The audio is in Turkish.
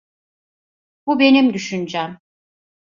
Bu benim düşüncem.